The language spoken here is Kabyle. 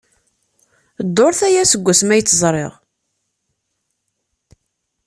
Dduṛt aya seg wasmi ay tt-ẓriɣ.